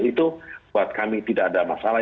itu buat kami tidak ada masalah